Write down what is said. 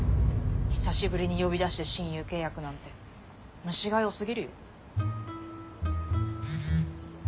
久しぶりに呼び出して親友契約なんて虫が良過ぎるよ。